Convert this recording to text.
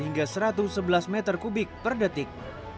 hingga satu ratus sebelas meter kubik per detik